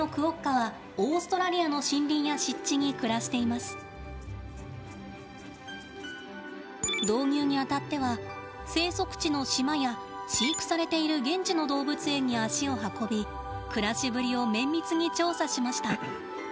野生のクオッカは導入に当たっては生息地の島や飼育されている現地の動物園に足を運び暮らしぶりを綿密に調査しました。